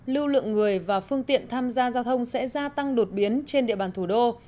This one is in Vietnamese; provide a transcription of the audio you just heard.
lưu lượng người và phương tiện tham gia giao thông sẽ gia tăng đột biến trên địa bàn thủ đô